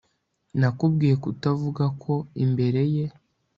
Nakubwiye kutavuga ko imbere ye